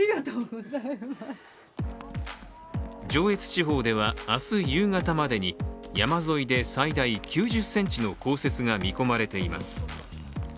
上越地方では明日夕方までに山沿いで最大９０ｃｍの降雪が見込まれています。